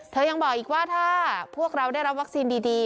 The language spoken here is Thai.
ยังบอกอีกว่าถ้าพวกเราได้รับวัคซีนดี